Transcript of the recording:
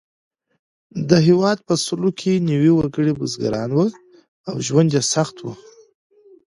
د هېواد په سلو کې نوي وګړي بزګران وو او ژوند یې سخت و.